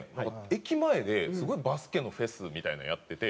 駅前ですごいバスケのフェスみたいなのやってて。